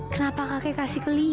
kenapa kakek kasih ke lia